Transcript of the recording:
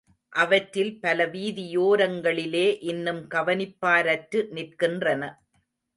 அவற்றில் பல வீதியோரங்களிலே இன்னும் கவனிப்பாரற்று நிற்கின்றன.